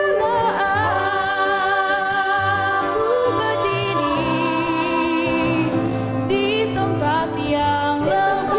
bila aku berdiri di tempat yang lebih tinggi